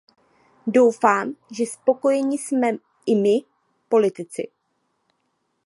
Doufám, že spokojeni jsme i my, politici.